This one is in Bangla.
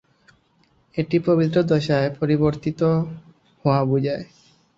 এটি পবিত্র দশায় পরিবর্তিত হওয়া বোঝায়।